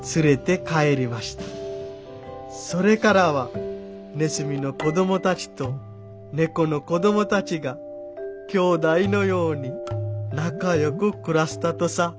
それからはネズミの子供たちと猫の子供たちが兄弟のように仲よく暮らしたとさ」。